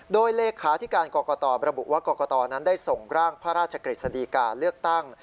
โดยเลขาธิการกรกตบระบุว่ากรกตนั้นได้ส่งร่างพระราชกฤษฎีกาเลือกตั้ง